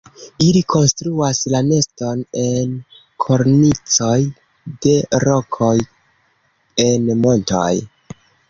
Ili konstruas la neston en kornicoj de rokoj en montoj.